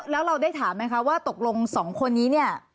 แล้วเราได้ถามไหมคะว่าตกลงสองคนนี้เนี่ย